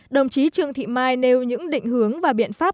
đồng chí trương thị mai nêu những định hướng và biện pháp